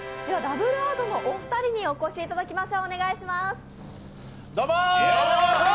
ダブルアートのお二人にお越しいただきます。